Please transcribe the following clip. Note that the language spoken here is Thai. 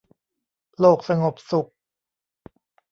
โลกสงบสุข